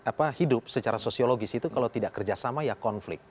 apa hidup secara sosiologis itu kalau tidak kerjasama ya konflik